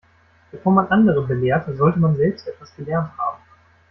Bevor man andere belehrt, sollte man selbst etwas gelernt haben.